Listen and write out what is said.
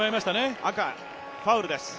赤、ファウルです。